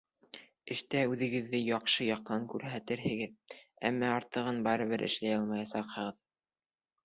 Эштә үҙегеҙҙе яҡшы яҡтан күрһәтерһегеҙ, әммә артығын барыбер эшләй алмаясаҡһығыҙ.